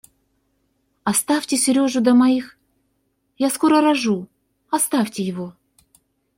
Оставьте Сережу до моих... Я скоро рожу, оставьте его!